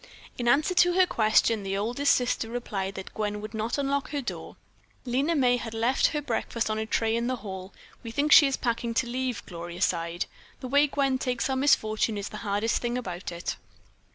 In answer to her question, the oldest sister replied that Gwen would not unlock her door. Lena May had left her breakfast on a tray in the hall. "We think she is packing to leave," Gloria sighed. "The way Gwen takes our misfortune is the hardest thing about it."